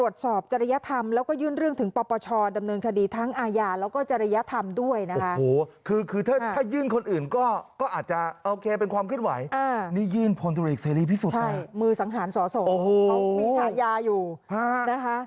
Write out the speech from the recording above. มือสังหารสอสอเขามีฉายาอยู่นะคะ